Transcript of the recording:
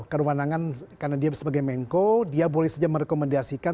karenangan karena dia sebagai menko dia boleh saja merekomendasikan